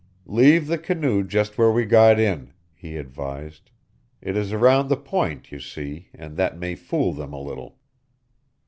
"Leave the canoe just where we got in," he advised; "it is around the point, you see, and that may fool them a little."